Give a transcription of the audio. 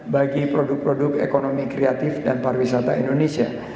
bagi produk produk ekonomi kreatif dan pariwisata indonesia